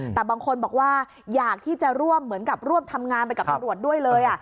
แต่บางคนบอกว่าอยากที่จะร่วมเหมือนกับร่วมทำงานไปกับตำรวจด้วยเลย